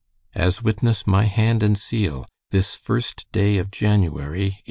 "As witness my hand and seal, this first day of January, 18 "J.